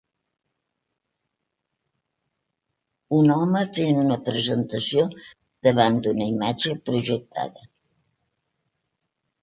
Un home fent una presentació davant d'una imatge projectada